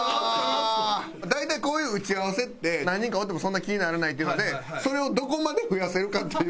大体こういう打ち合わせって何人かおってもそんな気にならないっていうのでそれをどこまで増やせるかっていう。